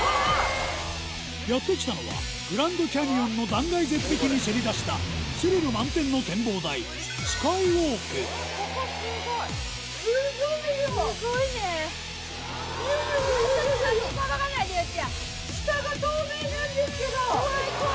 やって来たのはグランドキャニオンの断崖絶壁にせり出したスリル満点の展望台いやいやいやいや！